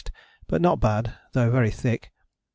but not bad, though very thick.